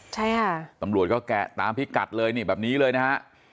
ใช่ค่ะตำรวจก็แกะตามพิกัดเลยนี่แบบนี้เลยนะฮะ